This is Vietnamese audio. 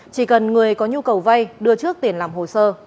chỉ cần người có nhu cầu vay đưa trước tiền làm hồ sơ